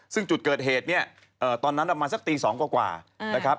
ซึ่งจุดเกิดเหตุเนี่ยตอนนั้นประมาณสักตี๒กว่านะครับ